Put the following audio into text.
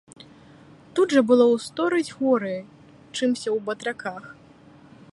Тут жа было ў сто рэдзь горай, чымся ў батраках.